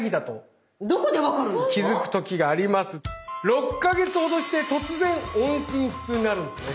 ６か月ほどして突然音信不通になるんですね。